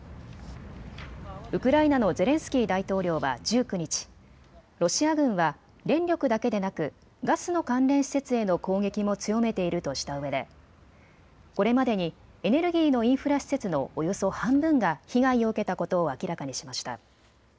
ウクライナのゼレンスキー大統領は１９日、ロシア軍は電力だけでなくガスの関連施設への攻撃も強めているとしたうえでこれまでにエネルギーのインフラ施設のおよそ半分が被害を受けたことを明らかにしました。